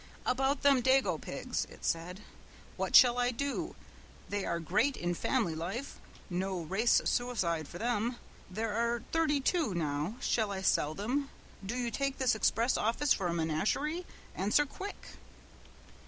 "About them dago pigs," it said, "what shall I do they are great in family life, no race suicide for them, there are thirty two now shall I sell them do you take this express office for a menagerie, answer quick."